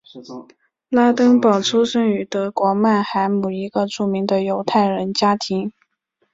拉登堡出生于德国曼海姆一个著名的犹太人家庭。